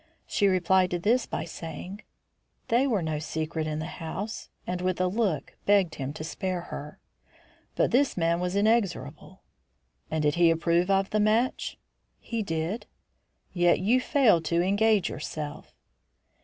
She replied to this by saying: "They were no secret in the house"; and, with a look, begged him to spare her. But this man was inexorable. "And did he approve of the match?" "He did." "Yet you failed to engage yourself?"